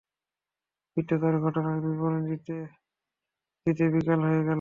বৃদ্ধ তার ঘটনার বিবরণ দিতে দিতে বিকাল হয়ে গেল।